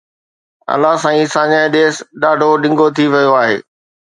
الله سائين ساڃاهہ ڏيس ڏاڍو ڊنگو ٿي ويو آهي